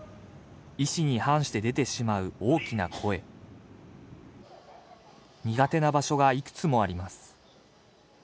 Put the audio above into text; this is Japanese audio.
意思に反して出てしまう大きな声苦手な場所がいくつもあります